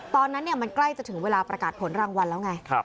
ตอนนั้นมันใกล้จะถึงเวลาประกาศผลรางวัลแล้วไง